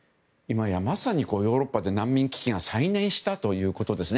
今やまさにヨーロッパで難民危機が再燃したということですね。